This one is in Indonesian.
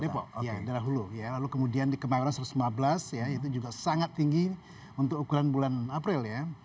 depok dari hulu ya lalu kemudian di kemayoran satu ratus lima belas ya itu juga sangat tinggi untuk ukuran bulan april ya